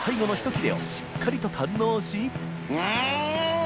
切れをしっかりと堪能し淵船礇鵝うん！